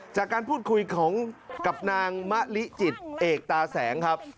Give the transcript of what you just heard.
จากการพูดคุยของกับนางมะลิจิตเอกตาแสงครับ